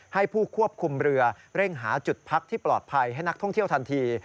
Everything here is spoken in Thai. ให้ผู้ควบคุมเรือเร่งหาจุดพักที่ปลอดภัยให้นักท่องเที่ยวทันที